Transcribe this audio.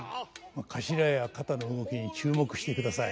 かしらや肩の動きに注目してください。